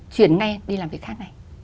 chuyển ngay đi làm việc khác